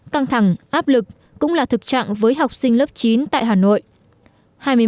căng thẳng áp lực cũng là thực trạng với học sinh lớp chín tại hà nội